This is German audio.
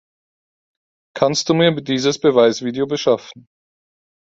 Kannst du mir dieses Beweisvideo beschaffen?